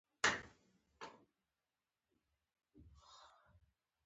نه، یوازې اسناد یې راکړل، بکسونه بیا وروسته درکوي.